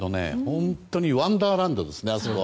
本当にワンダーランドですね。